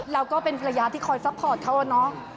เราก็เป็นภรรยาที่คอยซัพพอร์ตเขาอะเนาะ